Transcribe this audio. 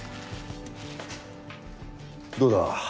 どうだ？